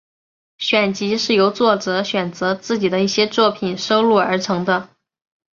选集是由作者选择自己的一些作品收录而成的。